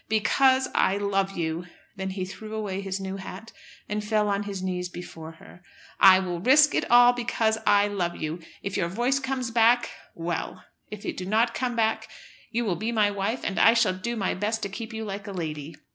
"Because I love you." Then he threw away his new hat, and fell on his knees before her. "I will risk it all, because I love you! If your voice comes back, well! If it do not come back, you will be my wife, and I shall do my best to keep you like a lady."